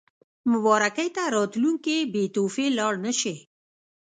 مبارکۍ ته راتلونکي بې تحفې لاړ نه شي.